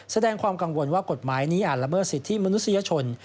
แสดงความกังวลว่ากฎหมายนี้อาจละเมิดสิทธิมนุษยชน